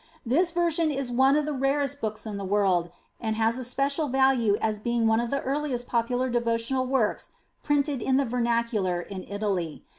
This version is one of the rarest books in the world, and has a special value as being one of the earliest popular devotional works printed in the vernacular in Italy.